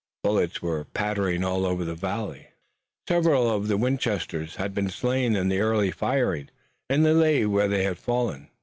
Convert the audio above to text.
Bullets were pattering all over the valley. Several of the Winchesters had been slain in the early firing, and they lay where they had fallen.